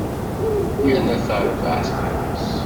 Yerna tarbaεt weḥd-s.